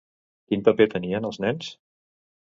Quin paper tenien els nens?